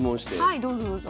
はいどうぞどうぞ。